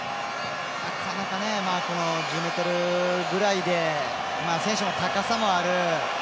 なかなか１０ｍぐらいで選手も高さもある。